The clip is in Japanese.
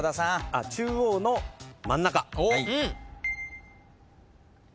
中央の真ん中。